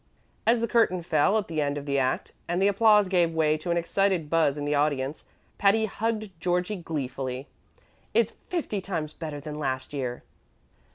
As the curtain fell at the end of the act, and the applause gave way to an excited buzz in the audience, Patty hugged Georgie gleefully. "It's fifty times better than last year!"